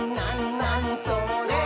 なにそれ？」